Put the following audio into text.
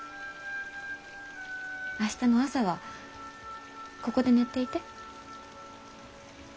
明日の朝はここで寝ていて。